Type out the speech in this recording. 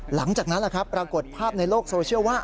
หลังจากนั้นปรากฏภาพในโลกโซเชียลว่า